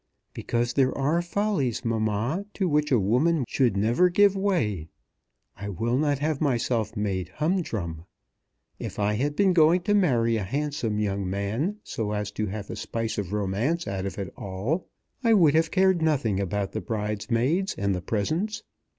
"Because there are follies, mamma, to which a woman should never give way. I will not have myself made humdrum. If I had been going to marry a handsome young man so as to have a spice of romance out of it all, I would have cared nothing about the bridesmaids and the presents.